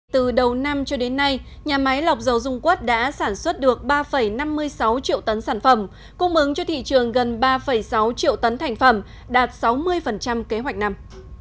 từ đầu năm cho đến nay nhà máy lọc dầu dung quất đã sản xuất được ba năm mươi sáu triệu tấn sản phẩm cung ứng cho thị trường gần ba sáu triệu tấn thành phẩm đạt sáu mươi kế hoạch năm